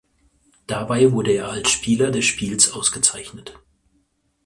Dabei wurde er als Spieler des Spiels ausgezeichnet.